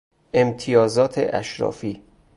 امتیازات اشرافی